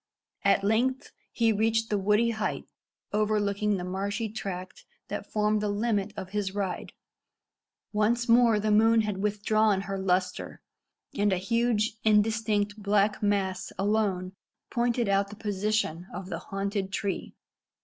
At length he reached the woody height overlooking the marshy tract that formed the limit of his ride. Once more the moon had withdrawn her lustre, and a huge indistinct black mass alone pointed out the position of the haunted tree.